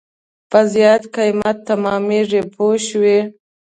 په زیات قیمت تمامېږي پوه شوې!.